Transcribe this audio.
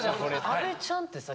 阿部ちゃんってさ